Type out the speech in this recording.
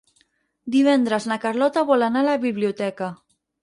Divendres na Carlota vol anar a la biblioteca.